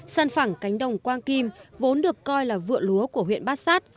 sân phẳng cánh đồng quang kim vốn được coi là vượn lúa của huyện bát sát